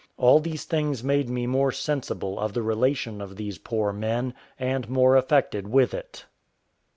All these things made me more sensible of the relation of these poor men, and more affected with it.